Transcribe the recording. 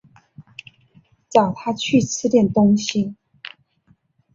找她去吃点东西